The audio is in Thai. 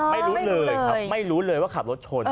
ไม่รู้เลยครับไม่รู้เลยว่าขับรถชน